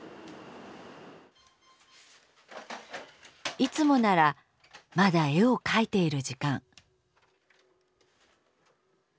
いつもならまだ絵を描いている時間。